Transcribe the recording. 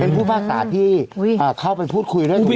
เป็นผู้ภาคศาที่เข้าไปพูดคุยด้วย